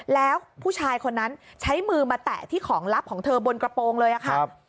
แล้วผู้ชายคนนั้นใช้มือมาแตะที่ของลับของเธอบนกระโปรงเลยค่ะ